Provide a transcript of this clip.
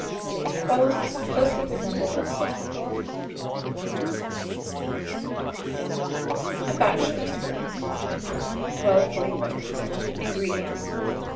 Its qualities closely resemble those of tapioca. A BACHELOR'S PUDDING. 1241. INGREDIENTS.